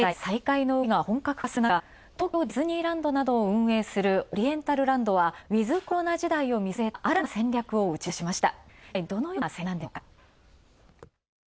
経済再開の動きが本格化するなか東京ディズニーランドなどを運営するオリエンタルランドは、ウィズコロナ時代を見据えた新たな戦略を打ち出しました。